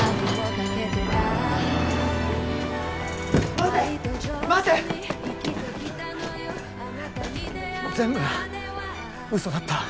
待って待って全部ウソだった？